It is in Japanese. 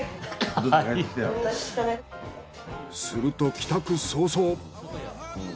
すると帰宅早々。